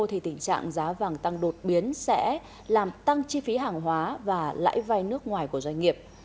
thì tình trạng giá vàng tăng đột biến sẽ làm tăng chi phí hàng hóa và lãi vai nước ngoài của doanh nghiệp